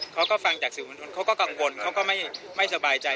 เขาก็ฟังจากสื่อมวลชนเขาก็กังวลเขาก็ไม่สบายใจ